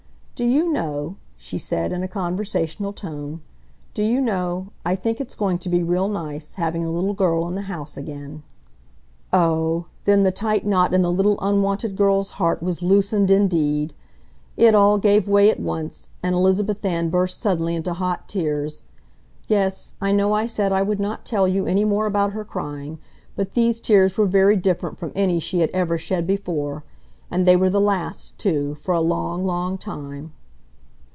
"Do you know," she said, in a conversational tone, "do you know, I think it's going to be real nice, having a little girl in the house again." Oh, then the tight knot in the little unwanted girl's heart was loosened indeed! It all gave way at once, and Elizabeth Ann burst suddenly into hot tears—yes, I know I said I would not tell you any more about her crying; but these tears were very different from any she had ever shed before. And they were the last, too, for a long, long time.